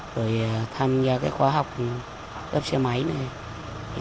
rồi tham gia cái khóa học lắp xe máy này